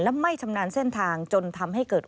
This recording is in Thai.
และไม่ชำนาญเส้นทางจนทำให้เกิด